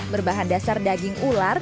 berbahan dasar daging ular